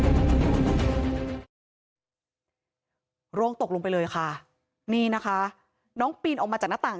ร่วงตกลงไปเลยค่ะนี่นะคะน้องปีนออกมาจากหน้าต่าง